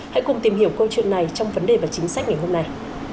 hãy cùng tìm hiểu câu chuyện này trong vấn đề và chính sách ngày hôm nay